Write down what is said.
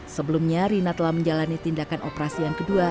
sebelumnya rina telah menjalani tindakan operasi yang kedua